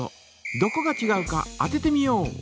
どこがちがうか当ててみよう！